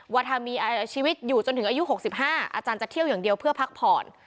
ว่าถ้ามีชีวิตอยู่จนถึงอายุ๖๕อาจารย์จะเที่ยวอย่างเดียวเพื่อพักผ่อน